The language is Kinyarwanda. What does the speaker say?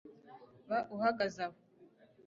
ba uhagaze aho